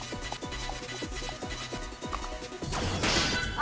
あ！